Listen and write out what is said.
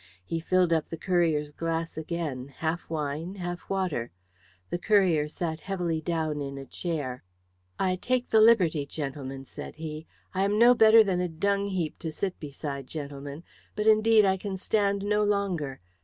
He filled up the courier's glass again, half wine, half water. The courier sat heavily down in a chair. "I take the liberty, gentlemen," said he. "I am no better than a dung heap to sit beside gentlemen. But indeed I can stand no longer.